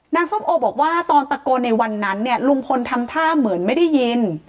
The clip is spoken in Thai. ส้มโอบอกว่าตอนตะโกนในวันนั้นเนี่ยลุงพลทำท่าเหมือนไม่ได้ยิน